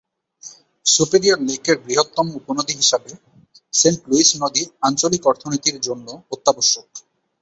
Superior লেকের বৃহত্তম উপনদী হিসাবে, সেন্ট লুইস নদী আঞ্চলিক অর্থনীতির জন্য অত্যাবশ্যক।